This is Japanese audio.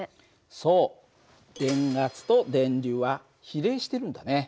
そう電圧と電流は比例してるんだね。